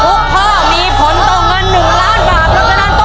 ถูกพ่อมีผลตกเงินหนึ่งล้านบาท